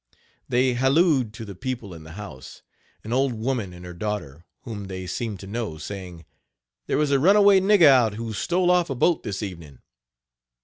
They hallooed to the people in the house, an old woman and her daughter, whom they seemed to know, saying: "There is a runaway nigger out, who stole off a boat this evening.